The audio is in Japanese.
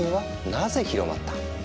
なぜ広まった？